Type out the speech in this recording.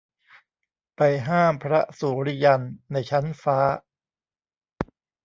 ไปห้ามพระสุริยันในชั้นฟ้า